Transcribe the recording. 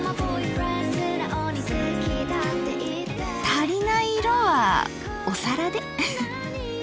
足りない色はお皿で。